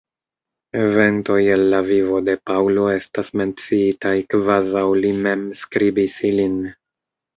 Eventoj el la vivo de Paŭlo estas menciitaj kvazaŭ li mem skribis ilin.